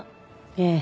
ええ。